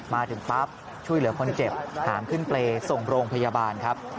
มาถึงปั๊บช่วยเหลือคนเจ็บหามขึ้นเปรย์ส่งโรงพยาบาลครับ